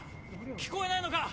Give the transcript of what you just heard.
聞こえないのか？